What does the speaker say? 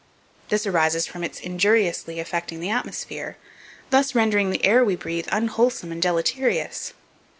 This arises from its injuriously affecting the atmosphere; thus rendering the air we breathe unwholesome and deleterious.